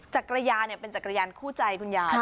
จักรยานเป็นจักรยานคู่ใจคุณยาย